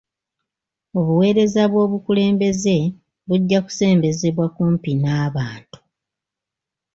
Obuweereza bw'obukulembeze bujja kusembezebwa kumpi n'abantu.